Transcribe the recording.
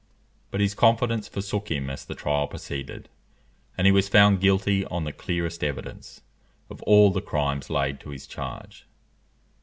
But his confidence forsook him as the trial proceeded, and he was found guilty on the clearest evidence of all the crimes laid to his charge.